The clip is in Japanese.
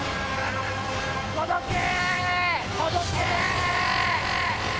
届け！